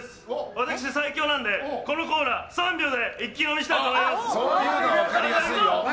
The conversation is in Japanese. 私、最強なのでこのコーラ３秒で一気飲みしたいと思います。